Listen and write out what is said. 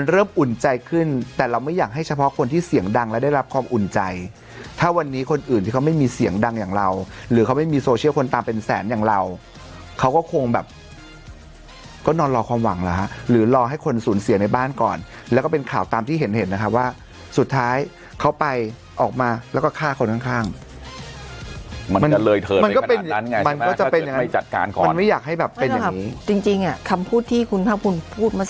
เริ่มอุ่นใจขึ้นแต่เราไม่อยากให้เฉพาะคนที่เสียงดังและได้รับความอุ่นใจถ้าวันนี้คนอื่นที่เขาไม่มีเสียงดังอย่างเราหรือเขาไม่มีโซเชียลคนตามเป็นแสนอย่างเราเขาก็คงแบบก็นอนรอความหวังหรอฮะหรือรอให้คนศูนย์เสียงในบ้านก่อนแล้วก็เป็นข่าวตามที่เห็นเห็นนะคะว่าสุดท้ายเขาไปออกมาแล้วก็ฆ่าคนข้างข้างม